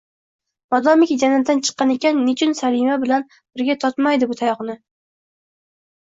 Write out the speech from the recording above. Modomiki, jannatdan chiqqan ekan, nechun Salma bilan birga totmaydi bu tayoqni?!